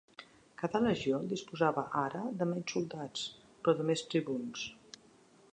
Cada legió disposava ara de menys soldats, però de més tribuns.